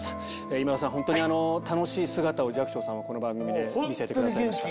今田さん、本当に楽しい姿を寂聴さんはこの番組で見せてくださいました。